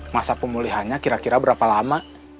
masa pemulihannya kira kira berapa lama